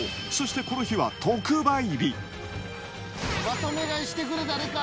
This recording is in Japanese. そしてこの日は特売日。